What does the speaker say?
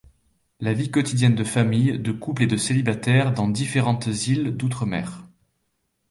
La vie quotidienne de familles, de couples et de célibataires dans différentes îles d'outre-mer.